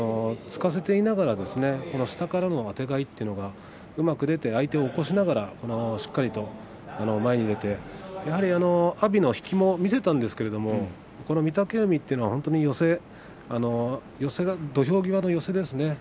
突かせていながら下からのあてがいというのがうまく出て、相手を起こしながらしっかりと前に出てやはり阿炎の引きも見せたんですけれども御嶽海というのは本当に土俵際の寄せですね